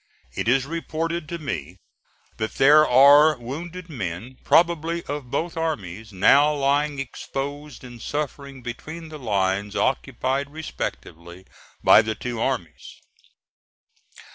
It is reported to me that there are wounded men, probably of both armies, now lying exposed and suffering between the lines occupied respectively by the two armies.